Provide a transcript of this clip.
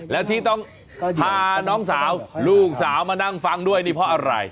และที่ต้องพาน้องสาวลูกสาวมานั่งฟังด้วยนี่เพราะอะไร